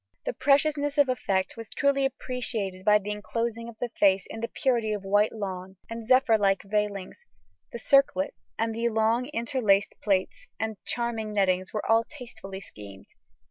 The preciousness of effect was truly appreciated by the enclosing of the face in the purity of white lawn and zephyr like veilings; the circlet and the long interlaced plaits and charming nettings were all tastefully schemed.